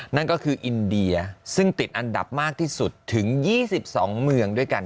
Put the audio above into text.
นั่นก็คืออินเดียซึ่งติดอันดับมากที่สุดถึง๒๒เมืองด้วยกัน